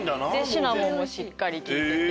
シナモンもしっかり利いてて。